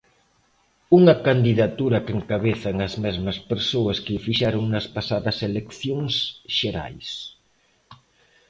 Unha candidatura que encabezan as mesmas persoas que o fixeron nas pasadas eleccións xerais.